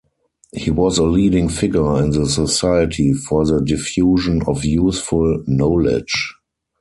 He was a leading figure in the Society for the Diffusion of Useful Knowledge.